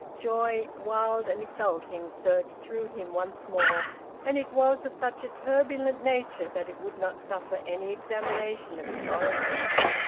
Joy, wild and exulting, surged through him once more; and it was of such a turbulent nature that it would not suffer any examination of its origin.